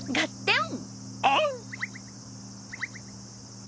オン！